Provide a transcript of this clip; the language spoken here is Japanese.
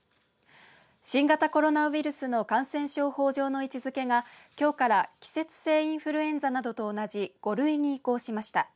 新型コロナウイルスの感染症法上の位置づけがきょうから季節性インフルエンザなどと同じ５類に移行しました。